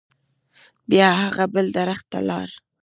بیا هغه بل درخت ته لاړ.